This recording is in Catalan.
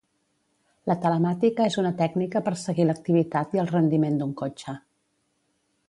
La telemàtica és una tècnica per seguir l'activitat i el rendiment d'un cotxe.